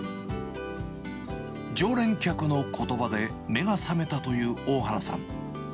常連客のことばで目がさめたという大原さん。